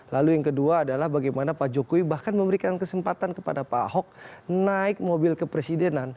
lalu yang kedua adalah bagaimana pak jokowi bahkan memberikan kesempatan kepada pak ahok naik mobil kepresidenan